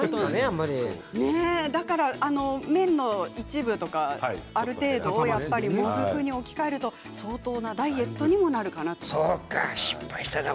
麺の一部とかある程度やっぱりもずくに置き換えると相当なダイエットにもなるかなと思います。